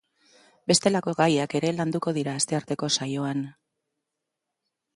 Bestelako gaiak ere landuko dira astearteko saioan.